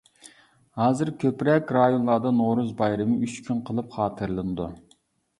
ھازىر كۆپرەك رايونلاردا «نورۇز» بايرىمى ئۈچ كۈن قىلىپ خاتىرىلىنىدۇ.